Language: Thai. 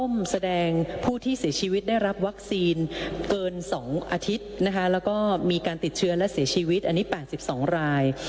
แล้วก็มีการติดเชื้อและเสียชีวิตอันนี้๘๒ราย